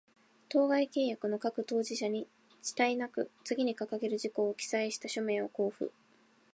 当該契約の各当事者に、遅滞なく、次に掲げる事項を記載した書面を交付